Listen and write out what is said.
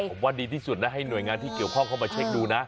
ผมว่าดีที่สุดนะให้หน่วยงานที่เกี่ยวข้องเข้ามาเช็คดูนะ